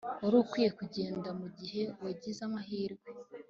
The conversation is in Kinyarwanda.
Wari ukwiye kugenda mugihe wagize amahirwe